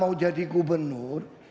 mau jadi gubernur